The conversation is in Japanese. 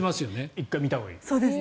１回見たほうがいい。